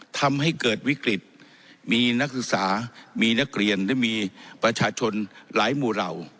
ทำให้เกิดวิกฤตมีนักศึกษามีนักเรียนและมีประชาชนหลายหมู่เหล่า